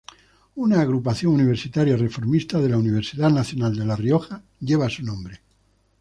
Una agrupación universitaria reformista de la Universidad Nacional de La Rioja, lleva su nombre.